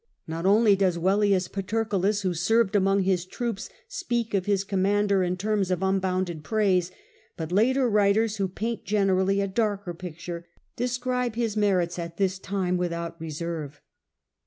Not only does Velleius Paterculus, who served among his troops, speak of his commander in terms of unbounded praise, but later writers, who paint generally a darker picture, describe his merits at this time without reserve.